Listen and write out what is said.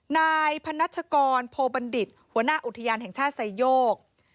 นายพนัชกรโพบัณฑิตหัวหน้าอุทยานแห่งชาติไซโยก